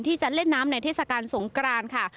ที่จะเล่นน้ำในเทศกาลสงกรานค่ะ